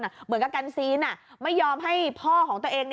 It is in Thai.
เหมือนกับกันซีนไม่ยอมให้พ่อของตัวเอง